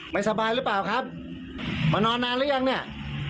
ไม่สบายหรือเปล่าครับมานอนนานหรือยังเนี่ย